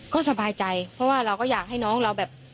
ก็สบายใจเพราะว่าเราก็อยากให้น้องเราแบบ